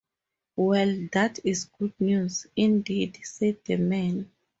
Well, that is good news, indeed," said the man.